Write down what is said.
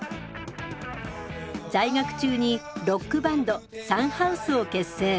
在学中にロックバンドサンハウスを結成。